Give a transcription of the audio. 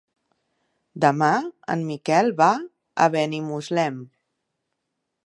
Demà en Miquel va a Benimuslem.